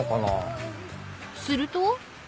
［すると］